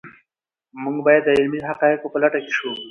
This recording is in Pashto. موږ باید د علمي حقایقو په لټه کې شو.